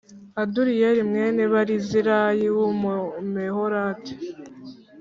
aduriyeli mwene barizilayi w umumeholati